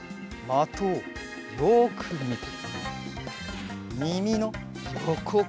まとをよくみて。